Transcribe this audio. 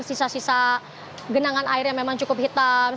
sisa sisa genangan air yang memang cukup hitam